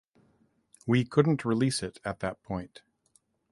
We couldn’t release it at that point.